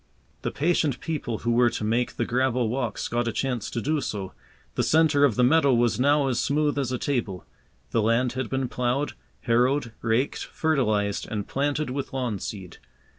The patient people who were to make the gravel walks got a chance to do so. The centre of the meadow was now as smooth as a table. The land had been ploughed, harrowed, raked, fertilized, and planted with lawn seed.